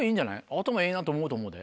頭いいなと思うと思うで。